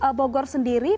kalau di bogor sendiri